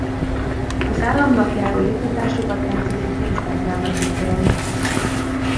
Az államnak járó juttatásokat rendszerint pénzben kell megítélni.